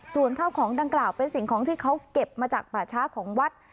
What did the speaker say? ส่วนข้าวของดังกล่าวเป็นสิ่งของที่เขาเก็บมาจากป่าช้าของวัด